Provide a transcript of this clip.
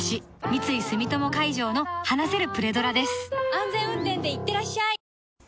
安全運転でいってらっしゃい